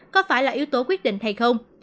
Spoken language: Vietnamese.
có phải là yếu tố quyết định hay không